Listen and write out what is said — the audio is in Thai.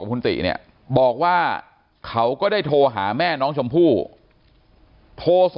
กับคุณติบอกว่าเขาก็ได้โทรหาแม่น้องชมพู่โทร๒